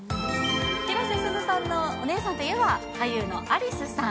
広瀬すずさんのお姉さんといえば、俳優のアリスさん。